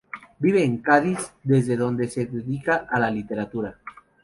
Vive en Cádiz, desde donde se dedica a la literatura.